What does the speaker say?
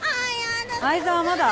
藍沢まだ？